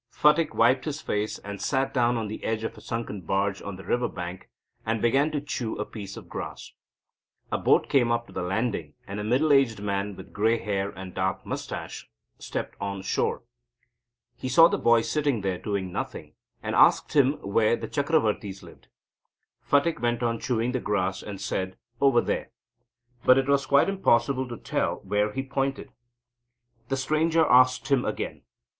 Phatik wiped his face, and sat down on the edge of a sunken barge on the river bank, and began to chew a piece of grass. A boat came up to the landing, and a middle aged man, with grey hair and dark moustache, stepped on shore. He saw the boy sitting there doing nothing, and asked him where the Chakravortis lived. Phatik went on chewing the grass, and said: "Over there," but it was quite impossible to tell where he pointed. The stranger asked him again.